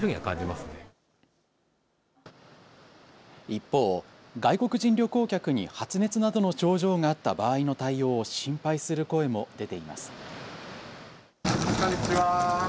一方、外国人旅行客に発熱などの症状があった場合の対応を心配する声も出ています。